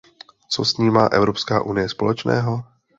Co s ní má Evropská unie společného?